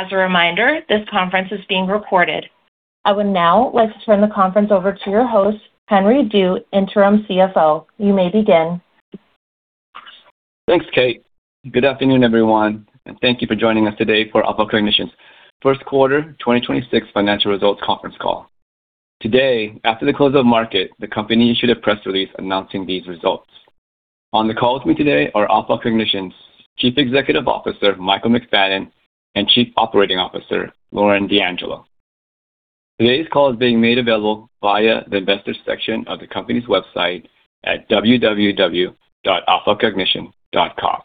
As a reminder, this conference is being recorded. I would now like to turn the conference over to your host, Henry Du, Interim CFO. You may begin. Thanks, Kate. Good afternoon, everyone, thank you for joining us today for Alpha Cognition's Q1 2026 financial results conference call. Today, after the close of market, the company issued a press release announcing these results. On the call with me today are Alpha Cognition's Chief Executive Officer, Michael McFadden, and Chief Operating Officer, Lauren D'Angelo. Today's call is being made available via the investors section of the company's website at www.alphacognition.com.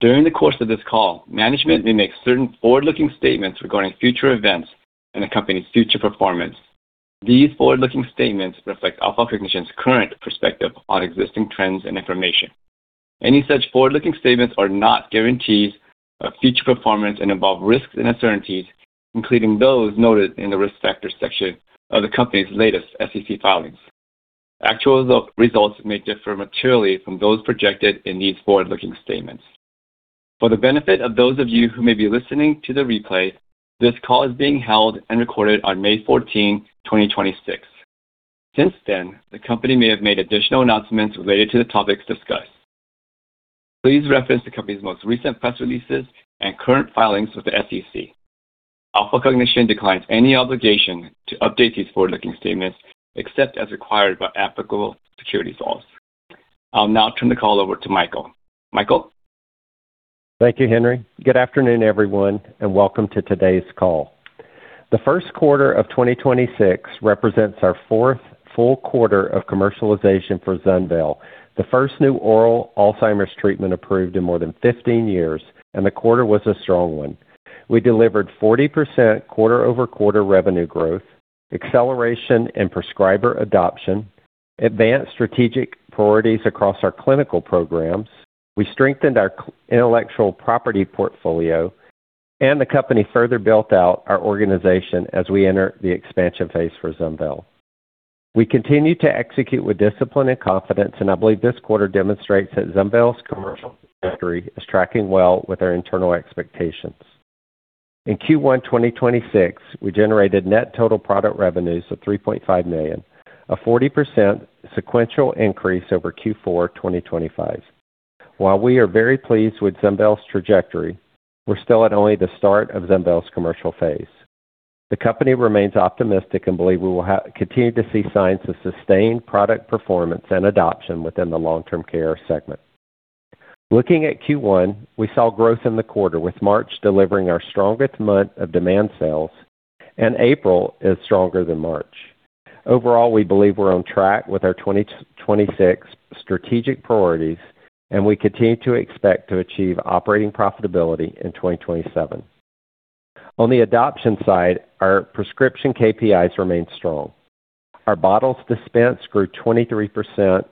During the course of this call, management may make certain forward-looking statements regarding future events and the company's future performance. These forward-looking statements reflect Alpha Cognition's current perspective on existing trends and information. Any such forward-looking statements are not guarantees of future performance and involve risks and uncertainties, including those noted in the Risk Factors section of the company's latest SEC filings. Actual results may differ materially from those projected in these forward-looking statements. For the benefit of those of you who may be listening to the replay, this call is being held and recorded on May 14, 2026. Since then, the company may have made additional announcements related to the topics discussed. Please reference the company's most recent press releases and current filings with the SEC. Alpha Cognition declines any obligation to update these forward-looking statements except as required by applicable securities laws. I'll now turn the call over to Michael. Michael? Thank you, Henry Du. Good afternoon, everyone, and welcome to today's call. The of 2026 represents our fourth full quarter of commercialization for ZUNVEYL, the first new oral Alzheimer's treatment approved in more than 15 years, and the quarter was a strong one. We delivered 40% quarter-over-quarter revenue growth, acceleration in prescriber adoption, advanced strategic priorities across our clinical programs. We strengthened our intellectual property portfolio, and the company further built out our organization as we enter the expansion phase for ZUNVEYL. We continue to execute with discipline and confidence, and I believe this quarter demonstrates that ZUNVEYL's commercial trajectory is tracking well with our internal expectations. In Q1 2026, we generated net total product revenues of $3.5 million, a 40% sequential increase over Q4 2025. While we are very pleased with ZUNVEYL's trajectory, we're still at only the start of ZUNVEYL's commercial phase. The company remains optimistic and believe we will continue to see signs of sustained product performance and adoption within the long-term care segment. Looking at Q1, we saw growth in the quarter with March delivering our strongest month of demand sales and April is stronger than March. Overall, we believe we're on track with our 2026 strategic priorities, we continue to expect to achieve operating profitability in 2027. On the adoption side, our prescription KPIs remain strong. Our bottles dispensed grew 23%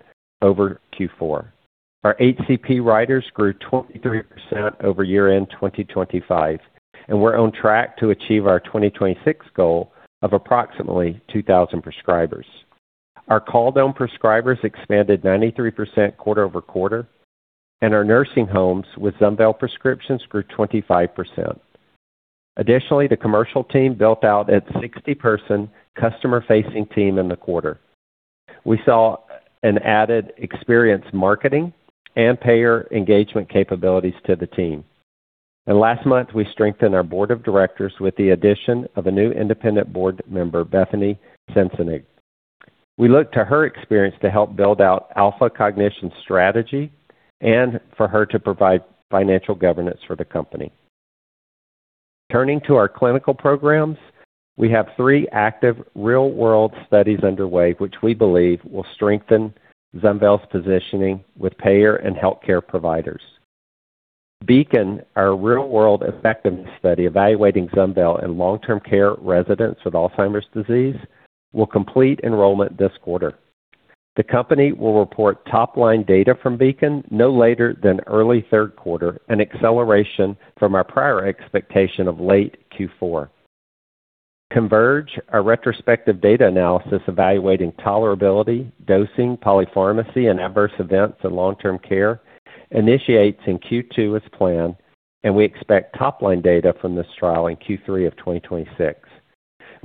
over Q4. Our HCP writers grew 23% over year-end 2025, we're on track to achieve our 2026 goal of approximately 2,000 prescribers. Our call-on prescribers expanded 93% quarter-over-quarter, our nursing homes with ZUNVEYL prescriptions grew 25%. Additionally, the commercial team built out a 60-person customer-facing team in the quarter. We saw and added experienced marketing and payer engagement capabilities to the team. Last month, we strengthened our board of directors with the addition of a new independent board member, Bethany Sensenig. We look to her experience to help build out Alpha Cognition's strategy and for her to provide financial governance for the company. Turning to our clinical programs, we have three active real-world studies underway, which we believe will strengthen ZUNVEYL's positioning with payer and healthcare providers. BEACON, our real-world effectiveness study evaluating ZUNVEYL in long-term care residents with Alzheimer's disease, will complete enrollment this quarter. The company will report top-line data from BEACON no later than early Q3, an acceleration from our prior expectation of late Q4. CONVERGE, our retrospective data analysis evaluating tolerability, dosing, polypharmacy, and adverse events in long-term care, initiates in Q2 as planned, and we expect top-line data from this trial in Q3 of 2026.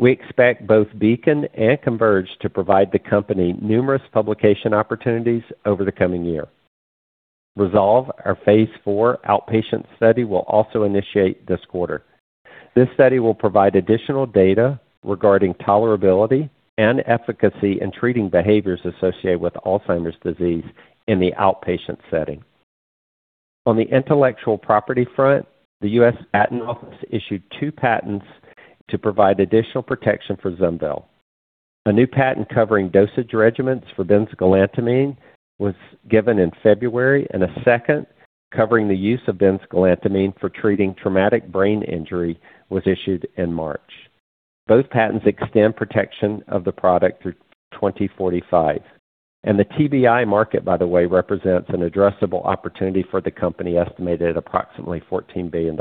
We expect both BEACON and CONVERGE to provide the company numerous publication opportunities over the coming year. RESOLVE, our Phase IV outpatient study, will also initiate this quarter. This study will provide additional data regarding tolerability and efficacy in treating behaviors associated with Alzheimer's disease in the outpatient setting. On the intellectual property front, the U.S. Patent Office issued two patents to provide additional protection for ZUNVEYL. A new patent covering dosage regimens for benzgalantamine was given in February, and a second covering the use of benzgalantamine for treating traumatic brain injury was issued in March. Both patents extend protection of the product through 2045, and the TBI market, by the way, represents an addressable opportunity for the company estimated at approximately $14 billion.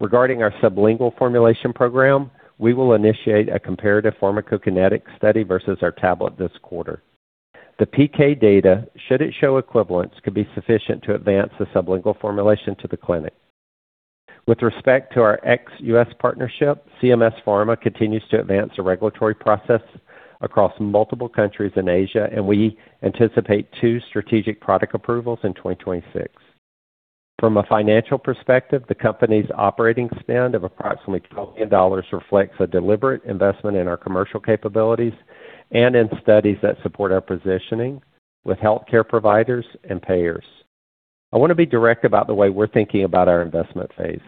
Regarding our sublingual formulation program, we will initiate a comparative pharmacokinetic study versus our tablet this quarter. The PK data, should it show equivalence, could be sufficient to advance the sublingual formulation to the clinic. With respect to our ex-U.S. partnership, CMS Pharma continues to advance the regulatory process across multiple countries in Asia, and we anticipate two strategic product approvals in 2026. From a financial perspective, the company's operating spend of approximately $12 million reflects a deliberate investment in our commercial capabilities and in studies that support our positioning with healthcare providers and payers. I want to be direct about the way we're thinking about our investment phase.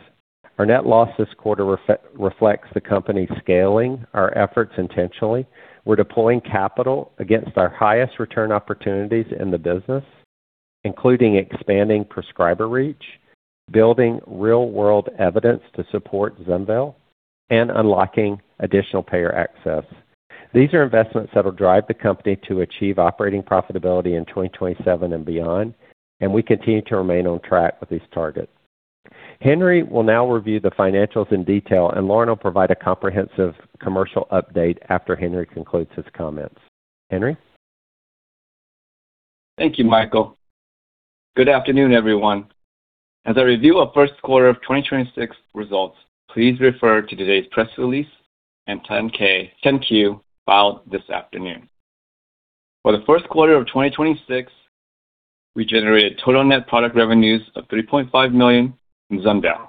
Our net loss this quarter reflects the company scaling our efforts intentionally. We're deploying capital against our highest return opportunities in the business, including expanding prescriber reach, building real-world evidence to support ZUNVEYL, and unlocking additional payer access. These are investments that will drive the company to achieve operating profitability in 2027 and beyond. We continue to remain on track with these targets. Henry will now review the financials in detail. Lauren will provide a comprehensive commercial update after Henry concludes his comments. Henry? Thank you, Michael. Good afternoon, everyone. As I review our first quarter of 2026 results, please refer to today's press release and 10-K, 10-Q filed this afternoon. For the Q1 of 2026, we generated total net product revenues of $3.5 million from ZUNVEYL.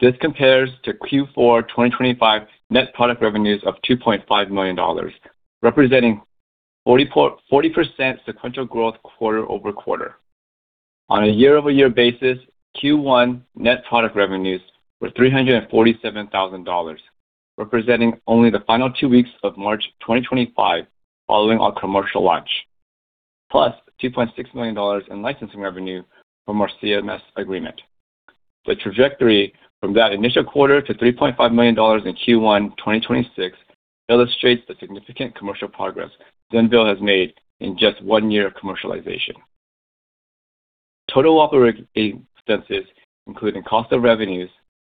This compares to Q4 2025 net product revenues of $2.5 million, representing 40% sequential growth quarter-over-quarter. On a year-over-year basis, Q1 net product revenues were $347,000, representing only the final two weeks of March 2025 following our commercial launch, plus $2.6 million in licensing revenue from our CMS agreement. The trajectory from that initial quarter to $3.5 million in Q1 2026 illustrates the significant commercial progress ZUNVEYL has made in just one year of commercialization. Total operating expenses, including cost of revenues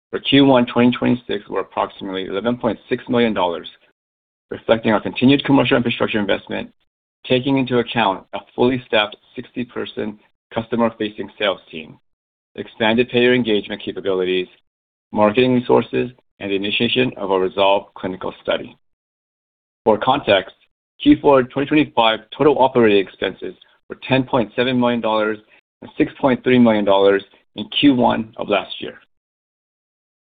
for Q1 2026, were approximately $11.6 million, reflecting our continued commercial infrastructure investment, taking into account a fully staffed 60-person customer-facing sales team, expanded payer engagement capabilities, marketing resources, and the initiation of our RESOLVE clinical study. For context, Q4 2025 total operating expenses were $10.7 million and $6.3 million in Q1 of last year.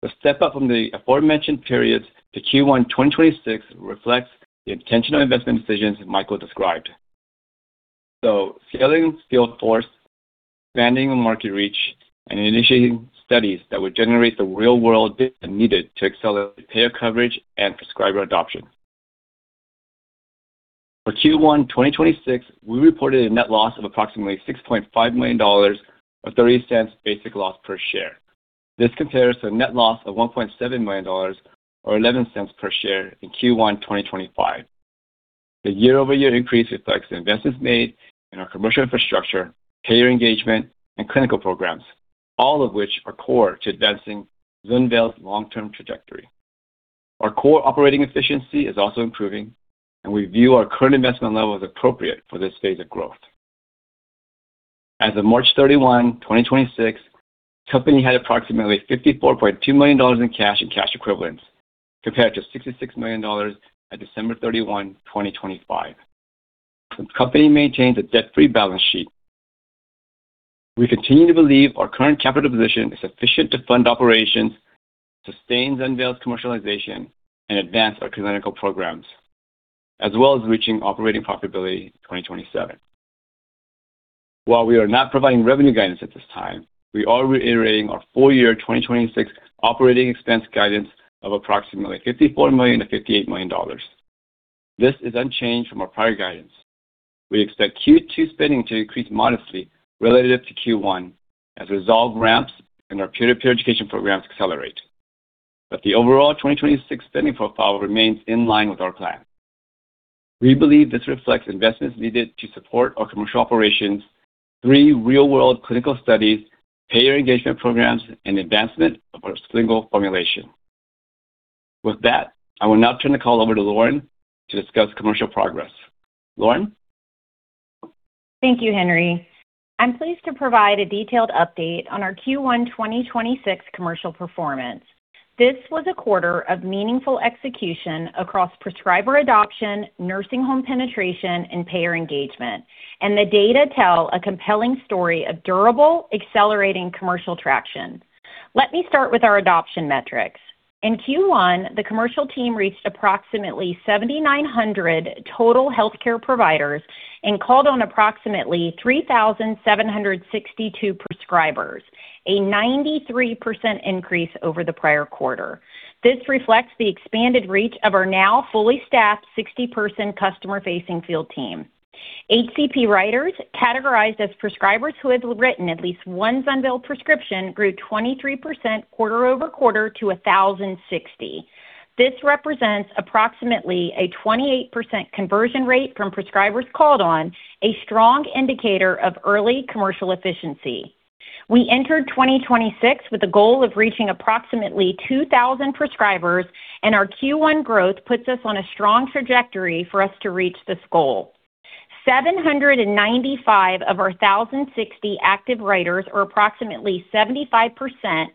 The step up from the aforementioned periods to Q1 2026 reflects the intentional investment decisions Michael described. Scaling field force, expanding market reach, and initiating studies that would generate the real-world data needed to accelerate payer coverage and prescriber adoption. For Q1 2026, we reported a net loss of approximately $6.5 million of $0.30 basic loss per share. This compares to a net loss of $1.7 million or $0.11 per share in Q1 2025. The year-over-year increase reflects the investments made in our commercial infrastructure, payer engagement, and clinical programs, all of which are core to advancing ZUNVEYL's long-term trajectory. Our core operating efficiency is also improving, and we view our current investment level as appropriate for this phase of growth. As of March 31, 2026, the company had approximately $54.2 million in cash and cash equivalents compared to $66 million at December 31, 2025. The company maintains a debt-free balance sheet. We continue to believe our current capital position is sufficient to fund operations, sustain ZUNVEYL's commercialization, and advance our clinical programs, as well as reaching operating profitability in 2027. While we are not providing revenue guidance at this time, we are reiterating our full year 2026 operating expense guidance of approximately $54 million-$58 million. This is unchanged from our prior guidance. We expect Q2 spending to increase modestly relative to Q1 as RESOLVE ramps and our peer-to-peer education programs accelerate. The overall 2026 spending profile remains in line with our plan. We believe this reflects investments needed to support our commercial operations, 3 real-world clinical studies, payer engagement programs, and advancement of our sublingual formulation. With that, I will now turn the call over to Lauren to discuss commercial progress. Lauren? Thank you, Henry. I'm pleased to provide a detailed update on our Q1 2026 commercial performance. This was a quarter of meaningful execution across prescriber adoption, nursing home penetration, and payer engagement. The data tell a compelling story of durable, accelerating commercial traction. Let me start with our adoption metrics. In Q1, the commercial team reached approximately 7,900 total healthcare providers and called on approximately 3,762 prescribers, a 93% increase over the prior quarter. This reflects the expanded reach of our now fully staffed 60-person customer-facing field team. HCP writers categorized as prescribers who have written at least one ZUNVEYL prescription grew 23% quarter-over-quarter to 1,060. This represents approximately a 28% conversion rate from prescribers called on, a strong indicator of early commercial efficiency. We entered 2026 with a goal of reaching approximately 2,000 prescribers, and our Q1 growth puts us on a strong trajectory for us to reach this goal. 795 of our 1,060 active writers, or approximately 75%,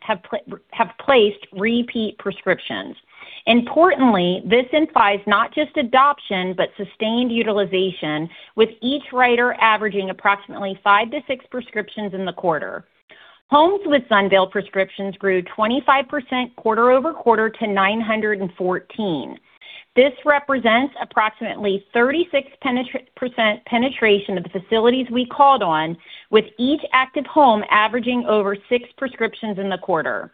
have placed repeat prescriptions. Importantly, this implies not just adoption, but sustained utilization, with each writer averaging approximately five to six prescriptions in the quarter. Homes with ZUNVEYL prescriptions grew 25% quarter-over-quarter to 914. This represents approximately 36% penetration of the facilities we called on, with each active home averaging over six prescriptions in the quarter.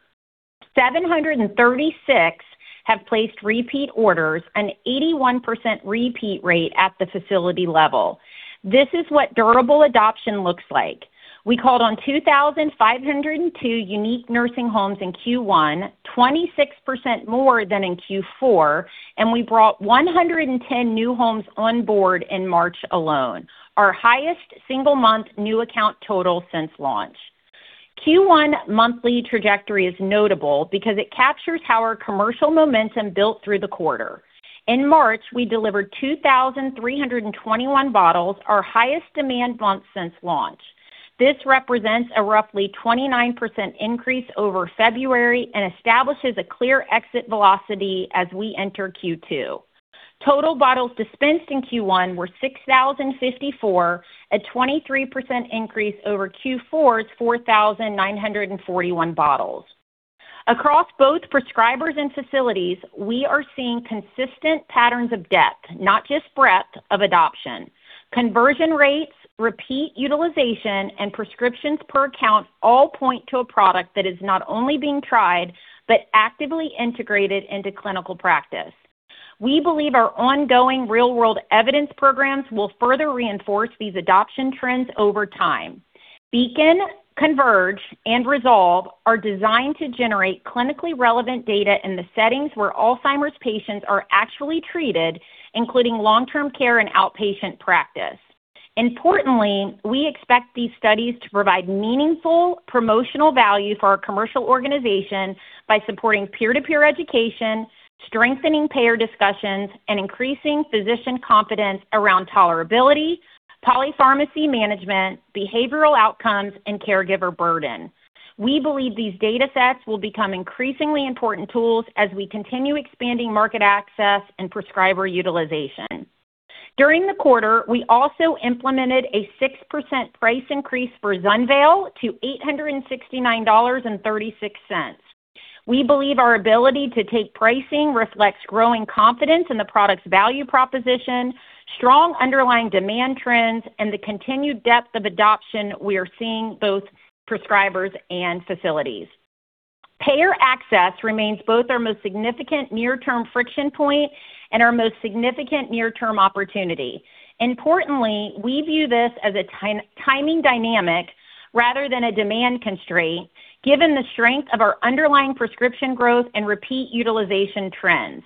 736 have placed repeat orders, an 81% repeat rate at the facility level. This is what durable adoption looks like. We called on 2,502 unique nursing homes in Q1, 26% more than in Q4, and we brought 110 new homes on board in March alone, our highest single month new account total since launch. Q1 monthly trajectory is notable because it captures how our commercial momentum built through the quarter. In March, we delivered 2,321 bottles, our highest demand month since launch. This represents a roughly 29% increase over February and establishes a clear exit velocity as we enter Q2. Total bottles dispensed in Q1 were 6,054, a 23% increase over Q4's 4,941 bottles. Across both prescribers and facilities, we are seeing consistent patterns of depth, not just breadth of adoption. Conversion rates, repeat utilization, and prescriptions per account all point to a product that is not only being tried, but actively integrated into clinical practice. We believe our ongoing real-world evidence programs will further reinforce these adoption trends over time. BEACON, CONVERGE, and RESOLVE are designed to generate clinically relevant data in the settings where Alzheimer's patients are actually treated, including long-term care and outpatient practice. Importantly, we expect these studies to provide meaningful promotional value for our commercial organization by supporting peer-to-peer education, strengthening payer discussions, and increasing physician confidence around tolerability, polypharmacy management, behavioral outcomes, and caregiver burden. We believe these datasets will become increasingly important tools as we continue expanding market access and prescriber utilization. During the quarter, we also implemented a 6% price increase for ZUNVEYL to $869.36. We believe our ability to take pricing reflects growing confidence in the product's value proposition, strong underlying demand trends, and the continued depth of adoption we are seeing both prescribers and facilities. Payer access remains both our most significant near-term friction point and our most significant near-term opportunity. We view this as a timing dynamic rather than a demand constraint, given the strength of our underlying prescription growth and repeat utilization trends.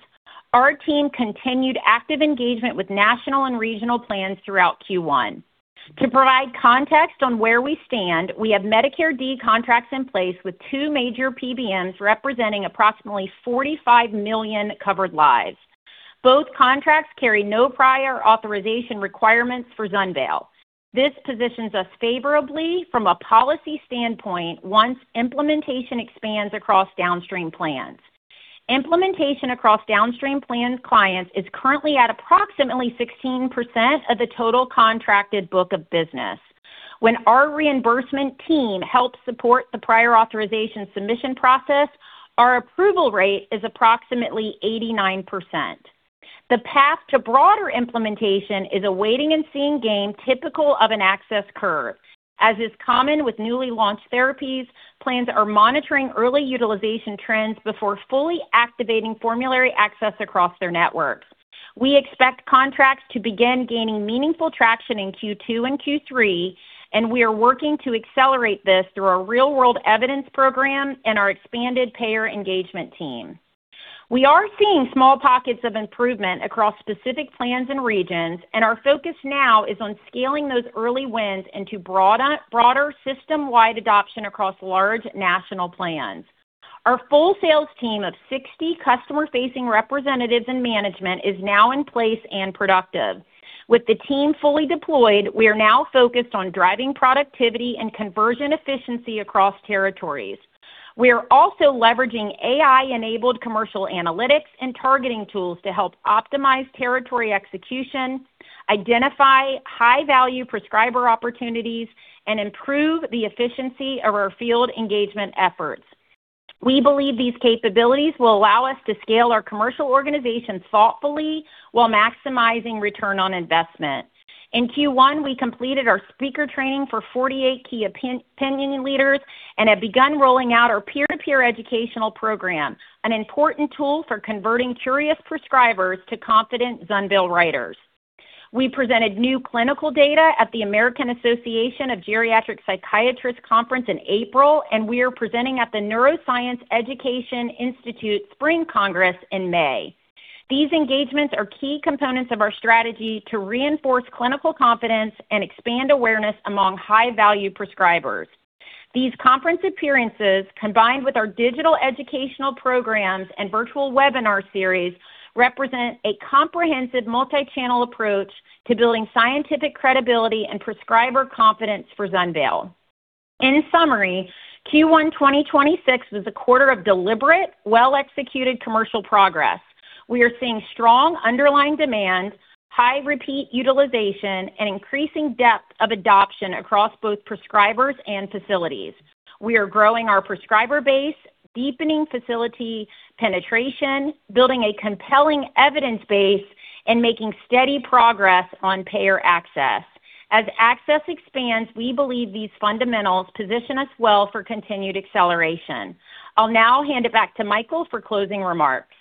Our team continued active engagement with national and regional plans throughout Q1. To provide context on where we stand, we have Medicare Part D contracts in place with 2 major PBMs representing approximately 45 million covered lives. Both contracts carry no prior authorization requirements for ZUNVEYL. This positions us favorably from a policy standpoint once implementation expands across downstream plans. Implementation across downstream plans clients is currently at approximately 16% of the total contracted book of business. When our reimbursement team helps support the prior authorization submission process, our approval rate is approximately 89%. The path to broader implementation is a waiting-and-seeing game typical of an access curve. As is common with newly launched therapies, plans are monitoring early utilization trends before fully activating formulary access across their networks. We expect contracts to begin gaining meaningful traction in Q2 and Q3, and we are working to accelerate this through our real-world evidence program and our expanded payer engagement team. We are seeing small pockets of improvement across specific plans and regions, and our focus now is on scaling those early wins into broader system-wide adoption across large national plans. Our full sales team of 60 customer-facing representatives and management is now in place and productive. With the team fully deployed, we are now focused on driving productivity and conversion efficiency across territories. We are also leveraging AI-enabled commercial analytics and targeting tools to help optimize territory execution, identify high-value prescriber opportunities, and improve the efficiency of our field engagement efforts. We believe these capabilities will allow us to scale our commercial organization thoughtfully while maximizing return on investment. In Q1, we completed our speaker training for 48 key opinion leaders and have begun rolling out our peer-to-peer educational program, an important tool for converting curious prescribers to confident ZUNVEYL writers. We presented new clinical data at the American Association for Geriatric Psychiatry conference in April, and we are presenting at the Neuroscience Education Institute Spring Congress in May. These engagements are key components of our strategy to reinforce clinical confidence and expand awareness among high-value prescribers. These conference appearances, combined with our digital educational programs and virtual webinar series, represent a comprehensive multi-channel approach to building scientific credibility and prescriber confidence for ZUNVEYL. In summary, Q1 2026 was a quarter of deliberate, well-executed commercial progress. We are seeing strong underlying demand, high repeat utilization, and increasing depth of adoption across both prescribers and facilities. We are growing our prescriber base, deepening facility penetration, building a compelling evidence base, and making steady progress on payer access. As access expands, we believe these fundamentals position us well for continued acceleration. I'll now hand it back to Michael for closing remarks.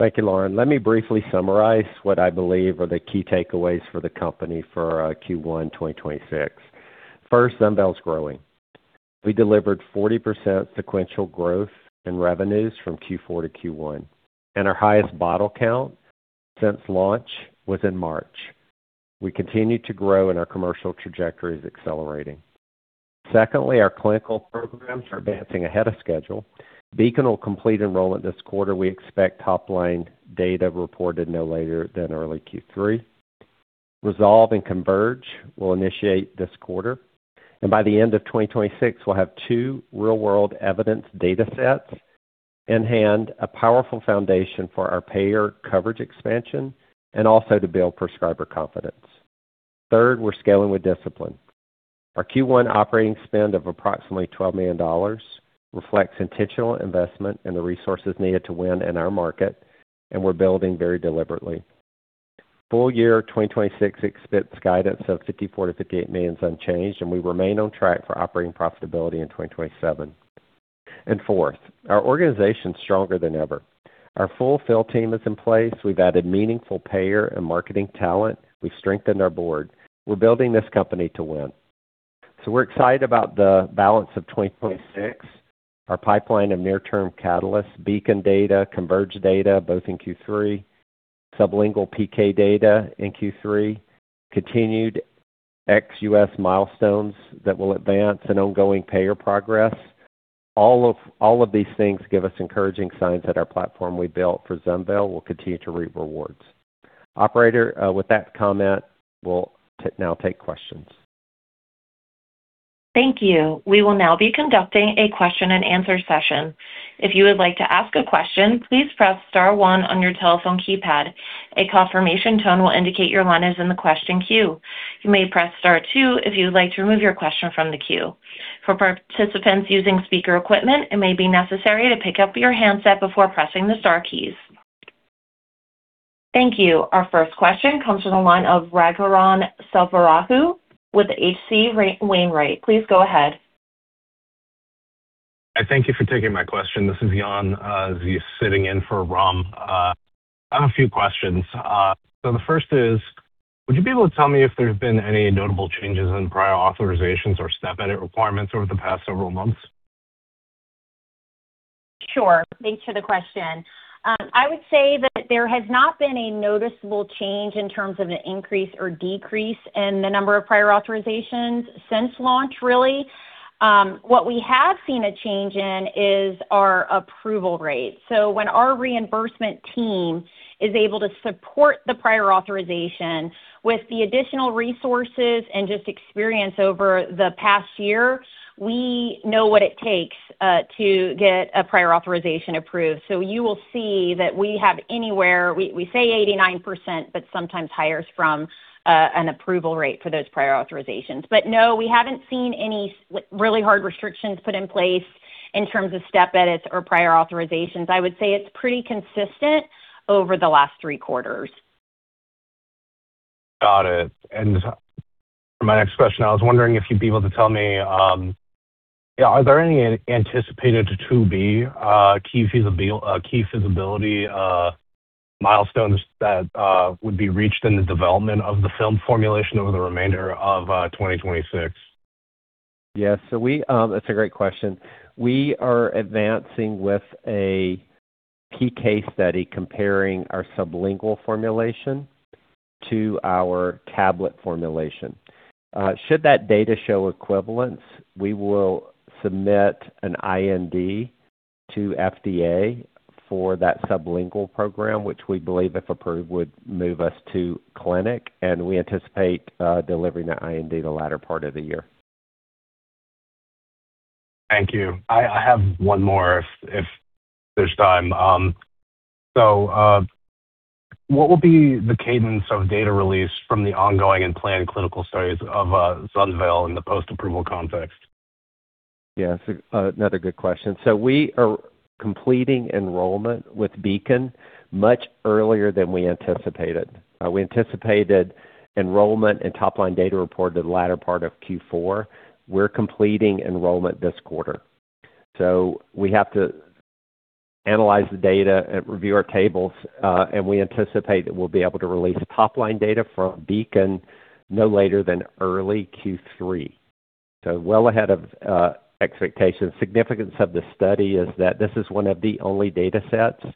Thank you, Lauren. Let me briefly summarize what I believe are the key takeaways for the company for Q1 2026. First, ZUNVEYL's growing. We delivered 40% sequential growth in revenues from Q4 to Q1, and our highest bottle count since launch was in March. We continue to grow, and our commercial trajectory is accelerating. Secondly, our clinical programs are advancing ahead of schedule. BEACON will complete enrollment this quarter. We expect top-line data reported no later than early Q3. RESOLVE and CONVERGE will initiate this quarter. By the end of 2026, we'll have 2 real-world evidence datasets in hand, a powerful foundation for our payer coverage expansion and also to build prescriber confidence. Third, we're scaling with discipline. Our Q1 operating spend of approximately $12 million reflects intentional investment in the resources needed to win in our market, and we're building very deliberately. Full year 2026 expects guidance of $54 million-$58 million is unchanged. We remain on track for operating profitability in 2027. Fourth, our organization's stronger than ever. Our full field team is in place. We've added meaningful payer and marketing talent. We've strengthened our board. We're building this company to win. We're excited about the balance of 2026, our pipeline of near-term catalysts, BEACON data, CONVERGE data, both in Q3, sublingual PK data in Q3, continued ex-U.S. milestones that will advance and ongoing payer progress. All of these things give us encouraging signs that our platform we built for ZUNVEYL will continue to reap rewards. Operator, with that comment, we'll now take questions. Thank you. We will now be conducting a question and answer session. If you would like to ask a question, please press star one on your telephone keypad. A confirmation tone will indicate your line is in the question queue. You may press star two if you would like to remove your question from the queue. For participants using speaker equipment, it may be necessary to pick up your handset before pressing the star keys. Thank you. Our first question comes from the line of Ram Selvaraju with H.C. Wainwright. Please go ahead. I thank you for taking my question. This is Jan, sitting in for Ram. I have a few questions. The first is, would you be able to tell me if there have been any notable changes in prior authorizations or step edit requirements over the past several months? Sure. Thanks for the question. I would say that there has not been a noticeable change in terms of an increase or decrease in the number of prior authorizations since launch, really. What we have seen a change in is our approval rate. When our reimbursement team is able to support the prior authorization with the additional resources and just experience over the past year, we know what it takes to get a prior authorization approved. You will see that we say 89%, but sometimes higher from an approval rate for those prior authorizations. No, we haven't seen any really hard restrictions put in place in terms of step edits or prior authorizations. I would say it's pretty consistent over the last three quarters. Got it. For my next question, I was wondering if you'd be able to tell me, are there any anticipated to be key feasibility milestones that would be reached in the development of the film formulation over the remainder of 2026? Yes. That's a great question. We are advancing with a PK study comparing our sublingual formulation to our tablet formulation. Should that data show equivalence, we will submit an IND to FDA for that sublingual program, which we believe, if approved, would move us to clinic, and we anticipate delivering that IND the latter part of the year. Thank you. I have one more if there's time. What will be the cadence of data release from the ongoing and planned clinical studies of ZUNVEYL in the post-approval context? Another good question. We are completing enrollment with BEACON much earlier than we anticipated. We anticipated enrollment and top-line data reported the latter part of Q4. We're completing enrollment this quarter. We have to analyze the data and review our tables, and we anticipate that we'll be able to release top-line data for BEACON no later than early Q3. Well ahead of expectations. Significance of the study is that this is one of the only datasets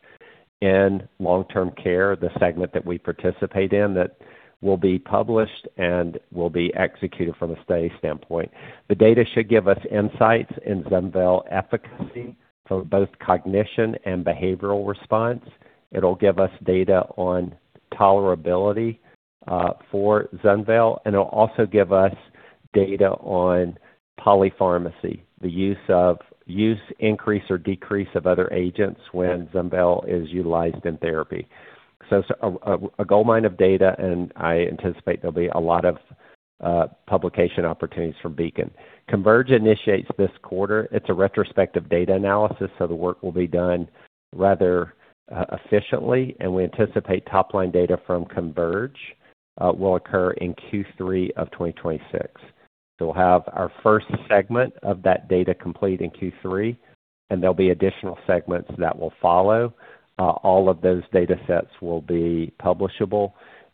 in long-term care, the segment that we participate in, that will be published and will be executed from a study standpoint. The data should give us insights in ZUNVEYL efficacy for both cognition and behavioral response. It'll give us data on tolerability for ZUNVEYL, and it'll also give us data on polypharmacy, the use, increase, or decrease of other agents when ZUNVEYL is utilized in therapy. It's a goldmine of data, and I anticipate there'll be a lot of publication opportunities from BEACON. CONVERGE initiates this quarter. It's a retrospective data analysis, so the work will be done rather efficiently, and we anticipate top-line data from CONVERGE will occur in Q3 of 2026. We'll have our first segment of that data complete in Q3, and there'll be additional segments that will follow. All of those datasets will be publishable,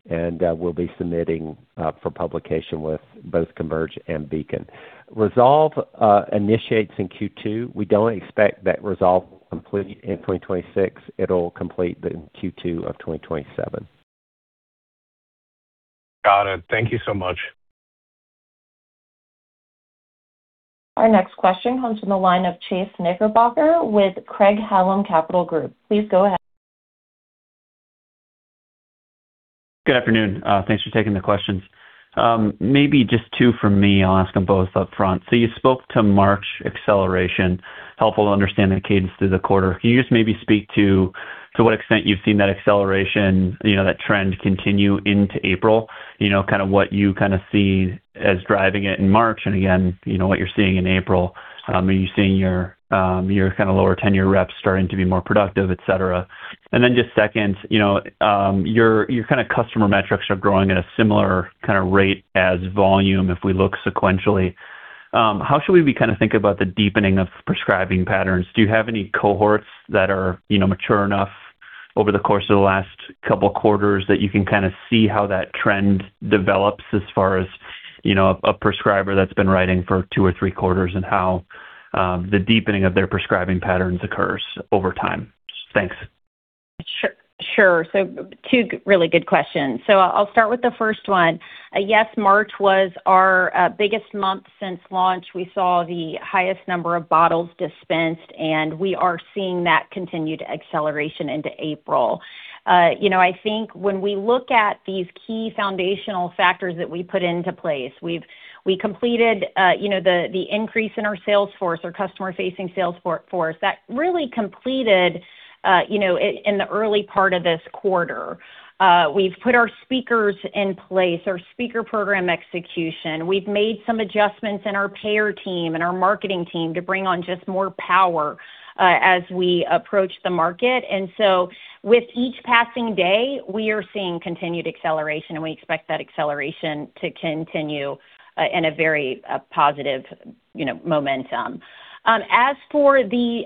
and we'll be submitting for publication with both CONVERGE and BEACON. RESOLVE initiates in Q2. We don't expect that RESOLVE will complete in 2026. It'll complete in Q2 of 2027. Got it. Thank you so much. Our next question comes from the line of Chase Knickerbocker with Craig-Hallum Capital Group. Please go ahead. Good afternoon. Thanks for taking the questions. Maybe just two from me. I'll ask them both upfront. You spoke to March acceleration. Helpful to understand the cadence through the quarter. Can you just maybe speak to what extent you've seen that acceleration, you know, that trend continue into April? You know, kind of what you kinda see as driving it in March and again, you know, what you're seeing in April. Are you seeing your kinda lower tenure reps starting to be more productive, et cetera? Just second, you know, your kinda customer metrics are growing at a similar kinda rate as volume if we look sequentially. How should we kinda think about the deepening of prescribing patterns? Do you have any cohorts that are, you know, mature enough over the course of the last couple quarters that you can kinda see how that trend develops as far as, you know, a prescriber that's been writing for two or three quarters and how the deepening of their prescribing patterns occurs over time? Thanks. Sure. Two really good questions. I'll start with the first one. Yes, March was our biggest month since launch. We saw the highest number of bottles dispensed, and we are seeing that continued acceleration into April. You know, I think when we look at these key foundational factors that we put into place, we completed, you know, the increase in our sales force, our customer-facing sales force. That really completed, you know, in the early part of this quarter. We've put our speakers in place, our speaker program execution. We've made some adjustments in our payer team and our marketing team to bring on just more power as we approach the market. With each passing day, we are seeing continued acceleration, and we expect that acceleration to continue in a very positive, you know, momentum. As for the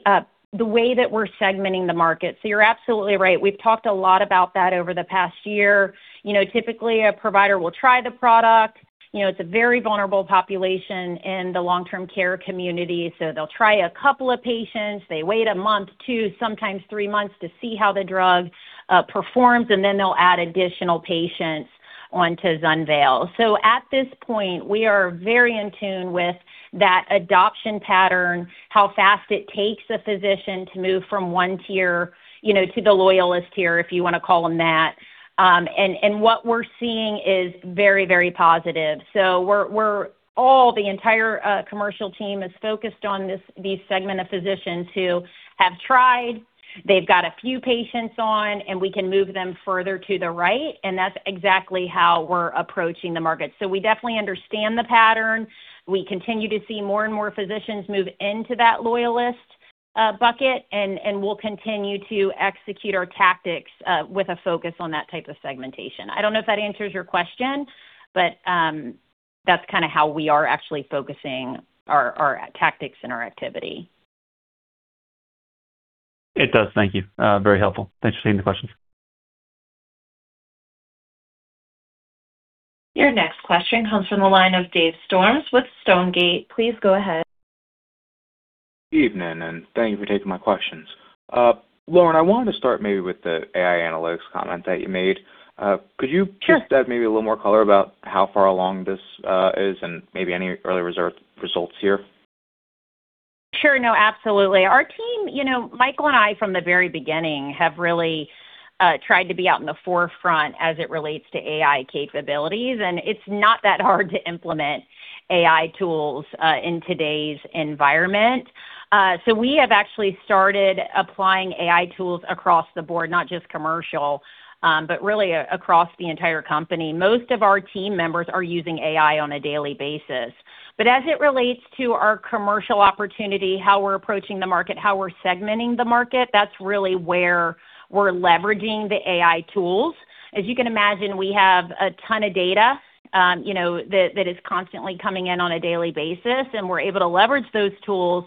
way that we're segmenting the market, you're absolutely right. We've talked a lot about that over the past year. You know, typically, a provider will try the product. You know, it's a very vulnerable population in the long-term care community, they'll try a couple of patients. They wait a month, two, sometimes three months to see how the drug performs, then they'll add additional patients onto ZUNVEYL. At this point, we are very in tune with that adoption pattern, how fast it takes a physician to move from one tier, you know, to the loyalist tier, if you wanna call them that. What we're seeing is very, very positive. All the entire commercial team is focused on these segment of physicians who have tried, they've got a few patients on, and we can move them further to the right, and that's exactly how we're approaching the market. We definitely understand the pattern. We continue to see more and more physicians move into that loyalist bucket, and we'll continue to execute our tactics with a focus on that type of segmentation. I don't know if that answers your question, but that's kinda how we are actually focusing our tactics and our activity. It does. Thank you. Very helpful. Thanks for taking the questions. Your next question comes from the line of Dave Storms with Stonegate. Please go ahead. Evening, thank you for taking my questions. Lauren, I wanted to start maybe with the AI analytics comment that you made. Sure. Give us that maybe a little more color about how far along this is and maybe any early results here? Sure. No, absolutely. Our team, you know, Michael and I, from the very beginning, have really tried to be out in the forefront as it relates to AI capabilities, it's not that hard to implement AI tools in today's environment. We have actually started applying AI tools across the board, not just commercial, but really across the entire company. Most of our team members are using AI on a daily basis. As it relates to our commercial opportunity, how we're approaching the market, how we're segmenting the market, that's really where we're leveraging the AI tools. As you can imagine, we have a ton of data, you know, that is constantly coming in on a daily basis, and we're able to leverage those tools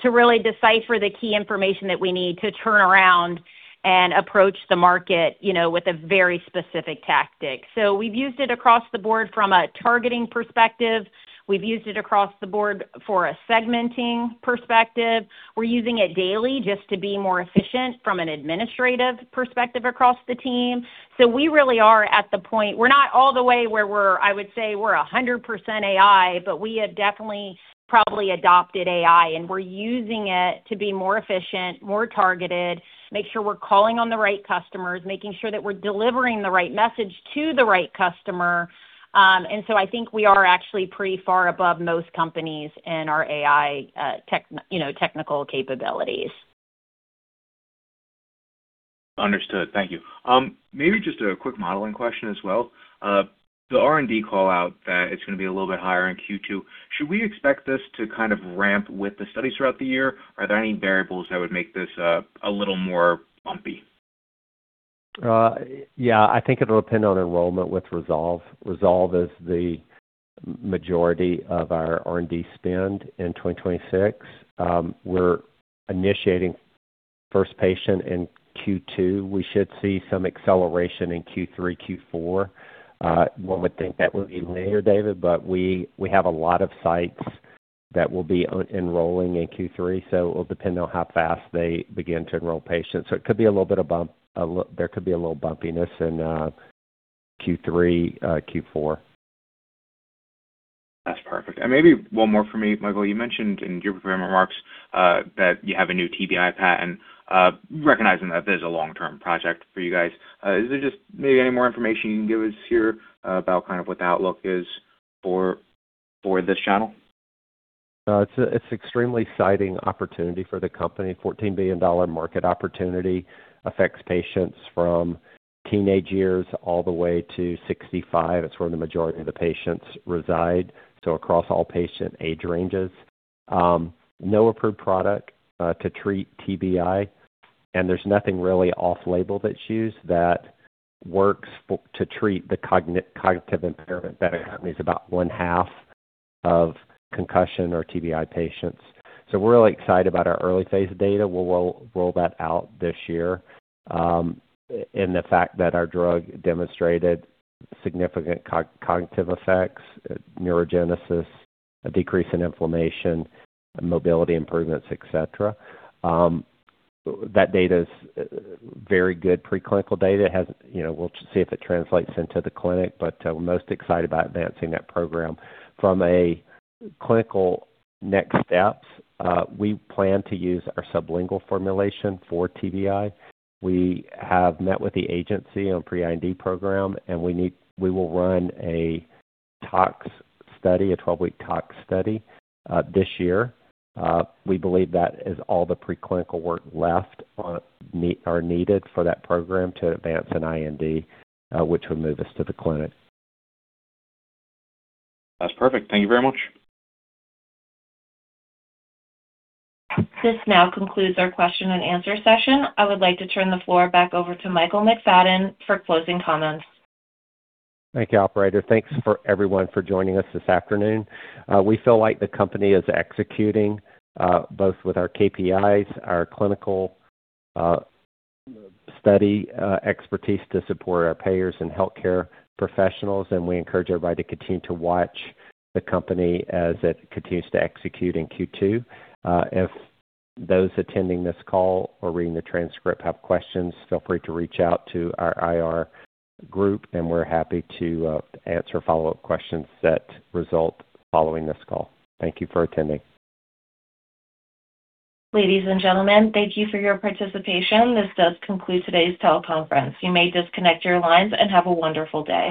to really decipher the key information that we need to turn around and approach the market, you know, with a very specific tactic. We've used it across the board from a targeting perspective. We've used it across the board for a segmenting perspective. We're using it daily just to be more efficient from an administrative perspective across the team. We really are at the point. We're not all the way where we're, I would say, we're 100% AI, but we have definitely probably adopted AI, and we're using it to be more efficient, more targeted, make sure we're calling on the right customers, making sure that we're delivering the right message to the right customer. I think we are actually pretty far above most companies in our AI, you know, technical capabilities. Understood. Thank you. Maybe just a quick modeling question as well. The R&D call-out that it's gonna be a little bit higher in Q2, should we expect this to kind of ramp with the studies throughout the year? Are there any variables that would make this a little more bumpy? Yeah, I think it'll depend on enrollment with Resolve. Resolve is the majority of our R&D spend in 2026. We're initiating first patient in Q2. We should see some acceleration in Q3, Q4. One would think that would be later, David, but we have a lot of sites that will be un-enrolling in Q3, so it will depend on how fast they begin to enroll patients. It could be a little bit of bump, there could be a little bumpiness in Q3, Q4. That's perfect. Maybe one more for me, Michael. You mentioned in your prepared remarks, that you have a new TBI patent. Recognizing that this is a long-term project for you guys, is there just maybe any more information you can give us here about kind of what the outlook is for this channel? No, it's extremely exciting opportunity for the company. $14 billion market opportunity. Affects patients from teenage years all the way to 65. That's where the majority of the patients reside, across all patient age ranges. No approved product to treat TBI, and there's nothing really off-label that's used that works to treat the cognitive impairment that occurs in about one-half of concussion or TBI patients. We're really excited about our early phase data. We'll roll that out this year. The fact that our drug demonstrated significant cognitive effects, neurogenesis, a decrease in inflammation, mobility improvements, et cetera. That data is very good pre-clinical data. You know, we'll see if it translates into the clinic, we're most excited about advancing that program. From a clinical next steps, we plan to use our sublingual formulation for TBI. We have met with the agency on pre-IND program, we will run a tox study, a 12-week tox study this year. We believe that is all the pre-clinical work needed for that program to advance an IND, which would move us to the clinic. That's perfect. Thank you very much. This now concludes our question and answer session. I would like to turn the floor back over to Michael McFadden for closing comments. Thank you, operator. Thanks for everyone for joining us this afternoon. We feel like the company is executing, both with our KPIs, our clinical study expertise to support our payers and healthcare professionals, and we encourage everybody to continue to watch the company as it continues to execute in Q2. If those attending this call or reading the transcript have questions, feel free to reach out to our IR group, and we're happy to answer follow-up questions that result following this call. Thank you for attending. Ladies and gentlemen, thank you for your participation. This does conclude today's teleconference. You may disconnect your lines, and have a wonderful day.